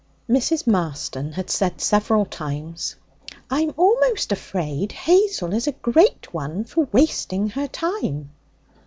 Mrs. Marston had said several times, 'I'm almost afraid Hazel is a great one for wasting her time.'